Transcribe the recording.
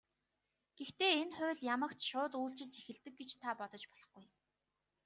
Гэхдээ энэ хууль ямагт шууд үйлчилж эхэлдэг гэж та бодож болохгүй.